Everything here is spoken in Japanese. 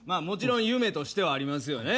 もちろん夢としてはありますよ。